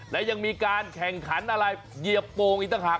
และยังมีการแข่งขันอะไรเหยียบโป่งอีกต่างหาก